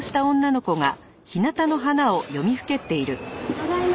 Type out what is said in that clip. ただいま。